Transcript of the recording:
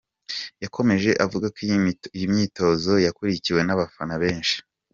Yakomeje avuga ko iyi myitozo yakurikiwe n’abafana benshi.